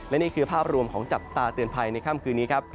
และนี่คือภาพรวมของจับตาเตือนภัยในค่ำคืนนี้ครับ